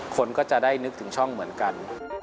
คนก็จะได้นึกถึงช่องเหมือนกัน